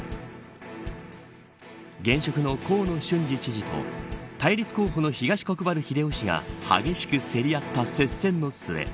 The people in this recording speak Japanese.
現職の河野俊嗣知事と対立候補の東国原英夫氏が激しく競り合った接戦の末